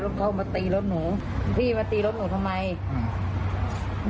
แล้วก็ตะลุมวันกันมัวเลยอ่ะ